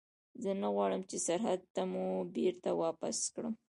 زه نه غواړم چې سرحد ته مو بېرته واپس کړي.